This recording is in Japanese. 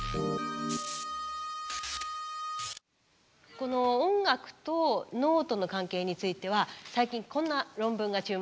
この音楽と脳との関係については最近こんな論文が注目を集めています。